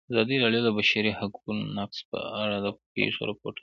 ازادي راډیو د د بشري حقونو نقض په اړه د پېښو رپوټونه ورکړي.